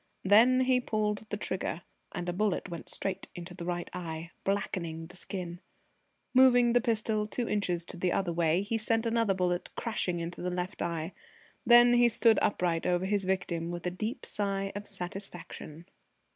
Then he pulled the trigger, and a bullet went straight into the right eye, blackening the skin. Moving the pistol two inches the other way, he sent another bullet crashing into the left eye. Then he stood upright over his victim with a deep sigh of satisfaction.